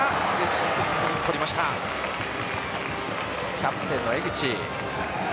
キャプテンの江口。